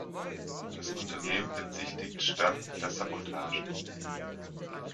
Das Unternehmen bezichtigt Stern der Sabotage.